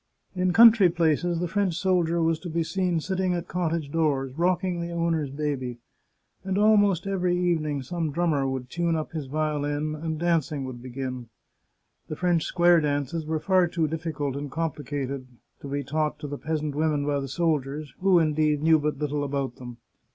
In country places the French soldier was to be seen sitting at cottage doors rocking the owner's baby; and almost every evening some drummer would tune up his violin, and dancing would begin. The French square dances were far too difficult and complicated to be taught to the peasant women by the soldiers, who, indeed, knew but little about them.